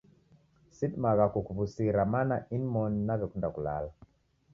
Sidimagha kukuw'usira mana inmoni naw'ekunda kulala.